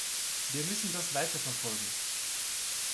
Wir müssen das weiter verfolgen.